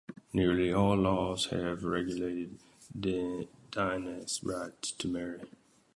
Nearly all house laws have regulated dynasts' right to marry.